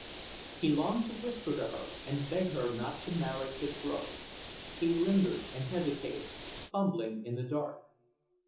He longed to whisper to her and beg her not to marry his brother. He lingered and hesitated, fumbling in the dark.